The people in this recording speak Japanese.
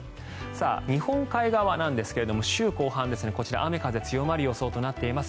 日本海側なんですが、週後半こちら、雨風強まる予想となっています。